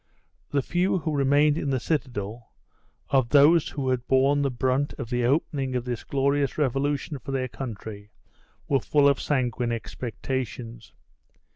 The few who remained in the citadel, of those who had borne the brunt of the opening of this glorious revolution for their country, were full of sanguine expectations.